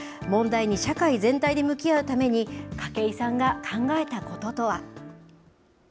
問題に社会全体で向き合うために、筧さんが考えたこととは？